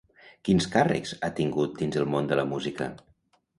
Quins càrrecs ha tingut dins el món de la música?